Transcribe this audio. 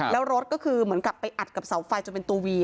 แล้วรถก็คือเหมือนกับไปอัดกับเสาไฟจนเป็นตัววี